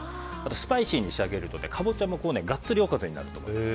スパイシーに仕上げるとカボチャもガッツリおかずになると思います。